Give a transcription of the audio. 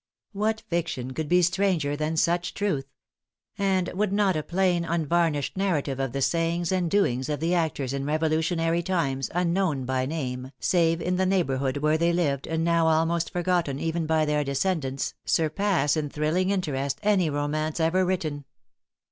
What fiction could be stranger than such truth! And would not a plain unvarnished narrative of the sayings and doings of the actors in Revolutionary times, unknown by name, save in the neighborhood where they lived, and now almost forgotten even by their descendants, surpass in thrilling interest any romance ever written!